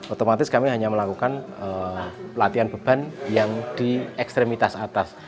otomatis kami hanya melakukan pelatihan beban yang di ekstremitas atas